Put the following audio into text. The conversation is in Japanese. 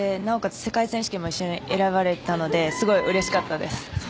世界選手権も一緒に選ばれたのですごくうれしかったです。